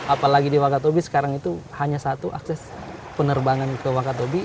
apalagi di wakatobi sekarang itu hanya satu akses penerbangan ke wakatobi